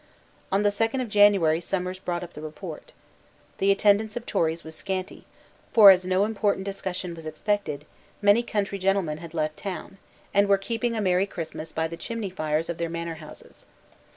On the second of January Somers brought up the report. The attendance of Tories was scanty: for, as no important discussion was expected, many country gentlemen had left town, and were keeping a merry Christmas by the chimney fires of their manor houses.